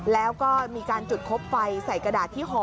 แล้วก็มีการจุดคบไฟใส่กระดาษที่ห่อ